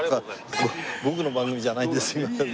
僕の番組じゃないんですいません。